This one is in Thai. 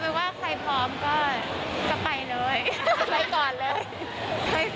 แล้วคิมว่าปีนี้ให้คุณแบบ